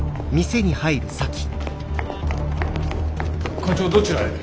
課長どちらへ？